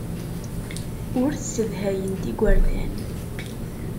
Ur ssedhayent igerdan.